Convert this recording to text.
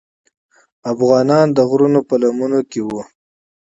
افغانان د غرونو په لمنو کې وو.